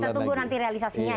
kita tunggu nanti realisasinya ya